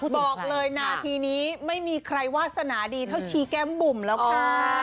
บอกเลยนาทีนี้ไม่มีใครวาสนาดีเท่าชีแก้มบุ่มแล้วค่ะ